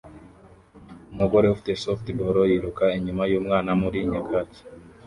Umugore ufite softball yiruka inyuma yumwana muri nyakatsi